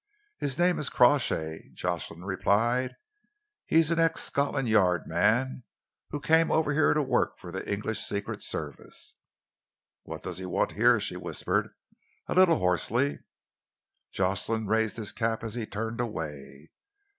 "His name is Crawshay," Jocelyn replied. "He is an ex Scotland Yard man who came over here to work for the English Secret Service." "What does he want here?" she whispered, a little hoarsely. Jocelyn raised his cap as he turned away.